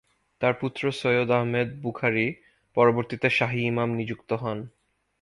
তার পুত্র সৈয়দ আহমেদ বুখারী পরবর্তীতে শাহী ইমাম নিযুক্ত হন।